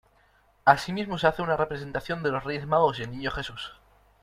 Asimismo, se hace una representación de los Reyes Magos y el niño Jesús.